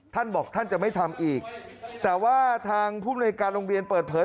ท่านบอกท่านจะไม่ทำอีกแต่ว่าทางภูมิในการโรงเรียนเปิดเผย